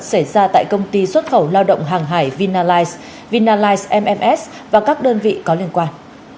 xảy ra tại công ty xuất khẩu lao động hàng hải vinalize vinalize msms và các đơn vị có liên quan